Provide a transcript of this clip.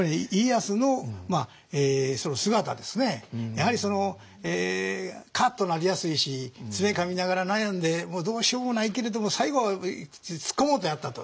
やはりカッとなりやすいし爪かみながら悩んでもうどうしようもないけれども最後突っ込もうとなったと。